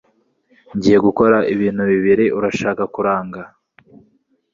Ngiye gukora ibintu bibiri Urashaka kuranga?